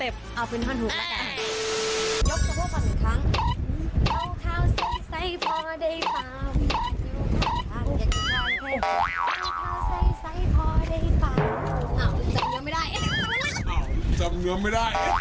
เขาเข้าใสพอได้เปล่าไม่อยากอยู่ข้างอยากอยู่ข้างเธอ